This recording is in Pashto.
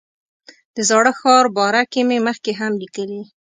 د زاړه ښار باره کې مې مخکې هم لیکلي.